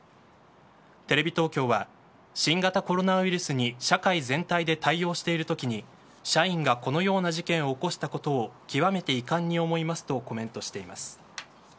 テレビ東京は新型コロナウイルスに社会全体で対応している時に社員がこのような事件を起こしたことを極めて遺憾に思いますとコメントしています。